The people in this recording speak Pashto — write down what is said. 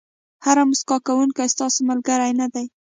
هر موسکا کوونکی ستاسو ملګری نه دی.